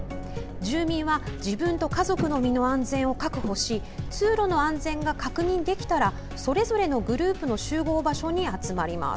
住民は、自分と家族の身の安全を確保し通路の安全が確認できたらそれぞれのグループの集合場所に集まります。